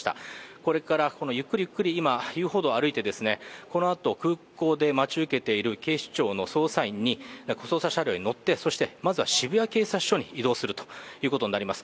これからゆっくりゆっくり今、遊歩道を歩いて、このあと、空港で待ち受けている警視庁の捜査車両に乗ってまずは渋谷警察署に移動することになります。